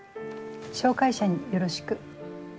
紹介者によろしく。